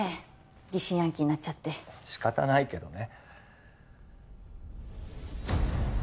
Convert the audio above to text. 疑心暗鬼になっちゃって仕方ないけどね